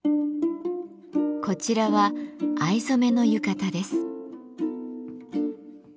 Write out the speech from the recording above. こちらは藍染めの浴衣です。